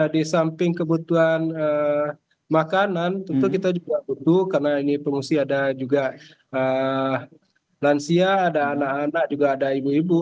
di samping kebutuhan makanan tentu kita juga butuh karena ini pengungsi ada juga lansia ada anak anak juga ada ibu ibu